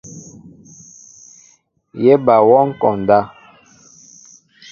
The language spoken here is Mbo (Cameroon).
Yé ba wɔŋ konda.